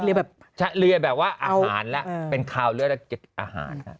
แล้วแบบว่าอาหารเเล็กเป้นคาวเลือดถึงเก็บอาหาร